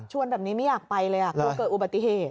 แบบนี้ไม่อยากไปเลยกลัวเกิดอุบัติเหตุ